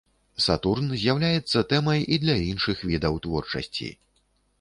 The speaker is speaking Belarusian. Сатурн з'яўляецца тэмай і для іншых відаў творчасці.